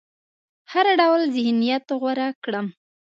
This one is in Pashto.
هر ډول ذهنيت غوره کړم.